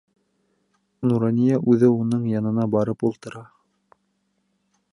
Нурания үҙе уның янына барып ултыра.